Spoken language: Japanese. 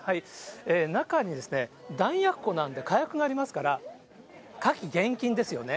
中に弾薬庫なんで火薬がありますから、火気厳禁ですよね。